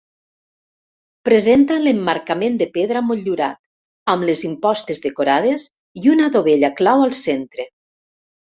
Presenta l'emmarcament de pedra motllurat, amb les impostes decorades i una dovella clau al centre.